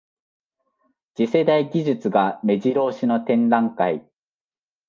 次世代技術がめじろ押しの展覧会